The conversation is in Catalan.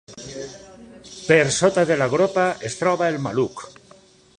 Per sota de la gropa es troba el maluc.